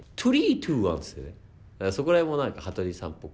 そこら辺も何か羽鳥さんっぽくて。